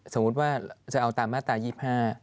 สมมุติว่าจะเอาตามมาตรา๒๕